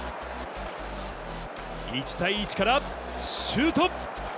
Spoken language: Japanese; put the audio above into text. １対１からシュート。